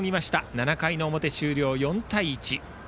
７回の表終了、４対１。